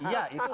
iya itu betul